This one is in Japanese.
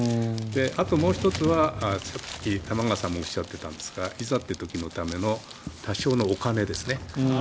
あともう１つは玉川さんもおっしゃってたんですがいざという時のための多少のお金ですね。